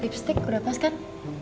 lipstick udah pas kan